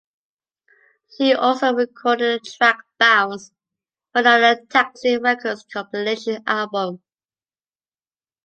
She also recorded a track "Bounce" for another Taxi Records compilation album.